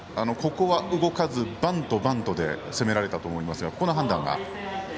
ここは動かずバント、バントで攻められたと思いますがここの判断は。